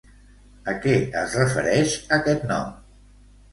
A què es refereix, aquest nom?